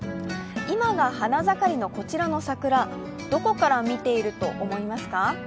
今が花盛りのこちらの桜、どこから見ていると思いますか？